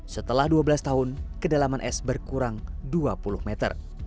setelah dua belas tahun kedalaman es berkurang dua puluh meter